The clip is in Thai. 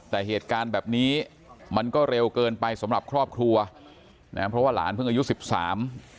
แต่เหตุการณ์แบบนี้มันก็เร็วเกินไปสำหรับครอบครัวนะฮะเพราะว่าหลานเพิ่งอายุสิบสาม